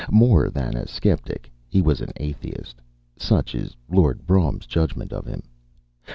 More than a sceptic, he was an Atheist. Such is Lord Brougham's judgment of him.